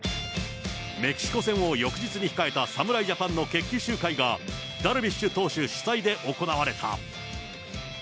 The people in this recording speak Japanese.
メキシコ戦を翌日に控えた侍ジャパンの決起集会が、ダルビッシュ投手主催で行われた。